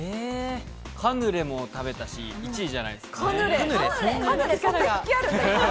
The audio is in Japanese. カヌレも食べたし、１位じゃないですか？